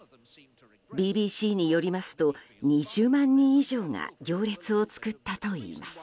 ＢＢＣによりますと２０万人以上が行列を作ったといいます。